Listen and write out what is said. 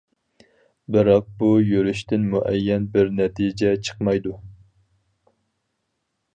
بىراق بۇ يۈرۈشتىن مۇئەييەن بىر نەتىجە چىقمايدۇ.